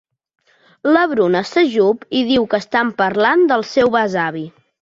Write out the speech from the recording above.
La Bruna s'ajup i diu que estan parlant del seu besavi.